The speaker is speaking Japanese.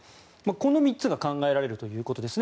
この３つが考えられるということです。